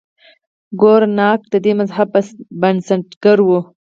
ګورو نانک د دې مذهب بنسټګر و.